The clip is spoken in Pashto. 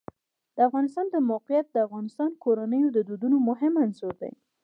د افغانستان د موقعیت د افغان کورنیو د دودونو مهم عنصر دی.